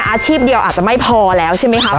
อาชีพเดียวอาจจะไม่พอแล้วใช่ไหมครับ